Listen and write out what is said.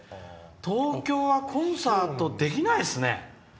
東京はコンサートできないですね。